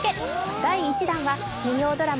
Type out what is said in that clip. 第１弾は金曜ドラマ